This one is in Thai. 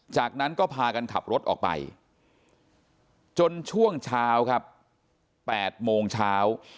จากนั้นก็พากันขับรถออกไปจนช่วงเช้าครับ๘โมงเช้า